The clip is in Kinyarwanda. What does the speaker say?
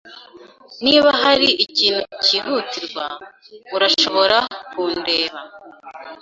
Niba hari ikintu cyihutirwa, urashobora kundeba.